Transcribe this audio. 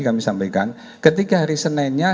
kami sampaikan ketika hari seninnya